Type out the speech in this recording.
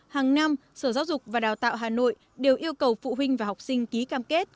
hàng năm sở giáo dục và đào tạo hà nội đều yêu cầu phụ huynh và học sinh ký cam kết